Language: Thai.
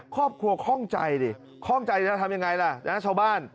ครอบครัวคล่องใจดิข้องใจนะทำยังไงล่ะนะชาวบ้าน